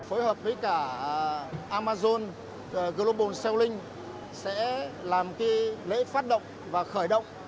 phối hợp với cả amazon global selling sẽ làm cái lễ phát động và khởi động